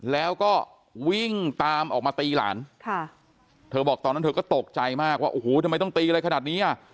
แล้วก็วิ่งตามออกมาตีหลานค่ะเธอบอกตอนนั้นเธอก็ตกใจมากว่าโอ้โหทำไมต้องตีอะไรขนาดนี้อ่ะ